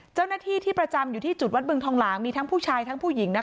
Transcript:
เจ้าหน้าที่ที่ประจำอยู่ที่จุดวัดบึงทองหลางมีทั้งผู้ชายทั้งผู้หญิงนะคะ